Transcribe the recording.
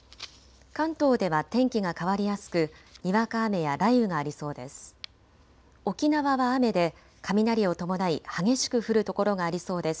関東では天気が変わりやすくにわか雨や雷雨がありそうです。